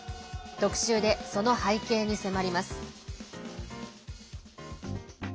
特集で、その背景に迫ります。